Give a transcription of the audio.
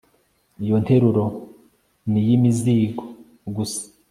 Iyo nteruro ni iyimizigo gusa